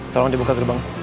tolong dibuka gerbang